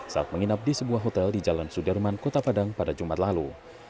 saat menginap di sebuah hotel di jalan sudirman kota padang pada jumat lalu